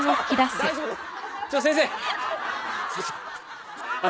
大丈夫ですか？